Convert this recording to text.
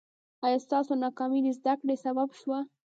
ایا ستاسو ناکامي د زده کړې سبب شوه؟